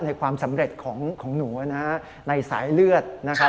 ในความสำเร็จของของหนูนะคะในสายเลือดนะคะ